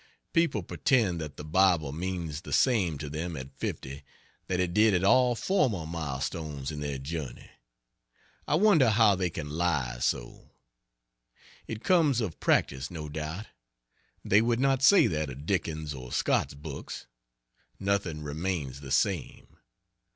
People pretend that the Bible means the same to them at 50 that it did at all former milestones in their journey. I wonder how they can lie so. It comes of practice, no doubt. They would not say that of Dickens's or Scott's books. Nothing remains the same.